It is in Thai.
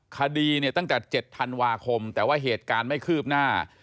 คดีเนี่ยตั้งแต่๗ธันวาคมแต่ว่าเหตุการณ์ไม่คืบหน้า